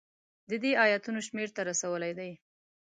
د دې ایتونو شمېر ته رسولی دی.